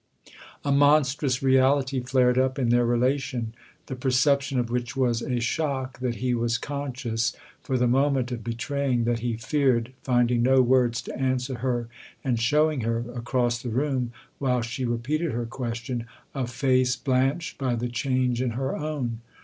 A monstrous reality flared up in their relation, the perception of which was a shock that he was conscious for the moment of betraying that he feared, finding no words to answer her and showing her, across the room, while she repeated her question, a face blanched by the change in her own.